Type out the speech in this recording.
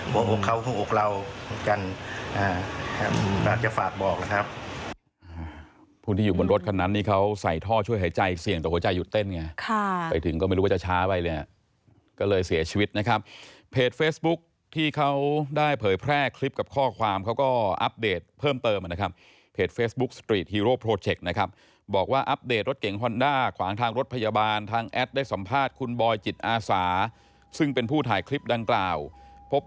บอกว่าเขาคงอกราวกันรับจะฝากบอกแล้วครับ